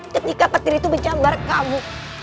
ketika petir itu menjambar kamu